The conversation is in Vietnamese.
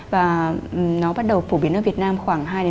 và nó bắt đầu phổ biến ở việt nam khoảng hai ba năm gần đây